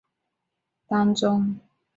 相关规划草案正与铁路部门接洽当中。